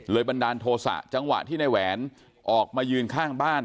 บันดาลโทษะจังหวะที่ในแหวนออกมายืนข้างบ้าน